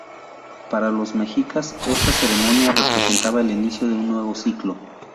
Para los mexicas, esta ceremonia representaba el inicio de un nuevo ciclo.